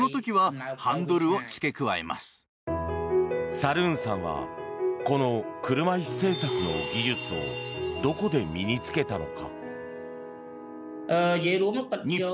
サルーンさんはこの車椅子制作の技術をどこで身に着けたのか。